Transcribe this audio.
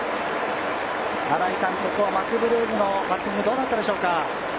新井さん、ここはマクブルーム、どうだったでしょうか？